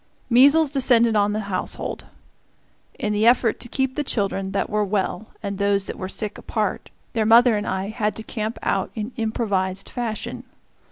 Measles descended on the household. In the effort to keep the children that were well and those that were sick apart, their mother and I had to camp out in improvised fashion.